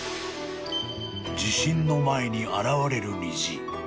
［「地震の前に現れる虹」］